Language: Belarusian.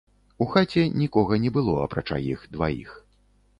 У хаце нікога не было, апрача іх дваіх.